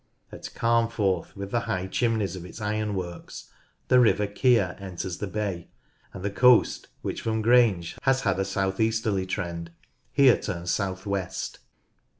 At Carnforth, with the high chimneys of its iron works, the river Keer enters the bay, and the coast, which from Grange has had a south easterly trend, here turns Grange over Sands south west.